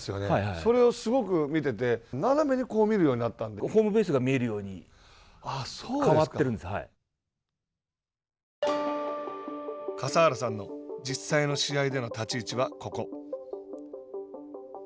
それがすごく見てて、斜めに見るホームベースが見えるように変笠原さんの実際の試合での立ち位置はここ。